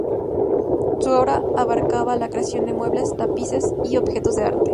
Su obra abarcaba la creación de muebles, tapices y objetos de arte.